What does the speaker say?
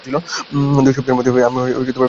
দু-এক সপ্তাহের মধ্যেই আমি বোম্বাই রওনা হইতেছি।